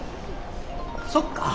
そっか。